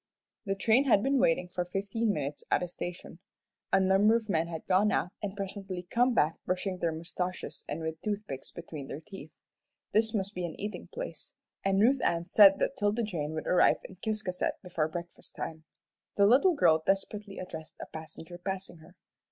The train had been waiting for fifteen minutes at a station. A number of men had gone out, and presently come back brushing their moustaches and with toothpicks between their teeth. This must be an eating place; and Ruth Ann said that 'Tilda Jane would arrive in Ciscasset before breakfast time. The little girl desperately addressed a passenger passing her.